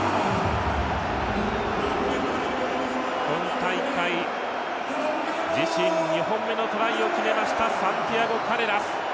今大会、自身２本目のトライを決めましたサンティアゴ・カレラス。